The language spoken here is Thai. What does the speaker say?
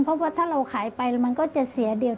เพราะว่าถ้าเราขายไปแล้วมันก็จะเสียเดียว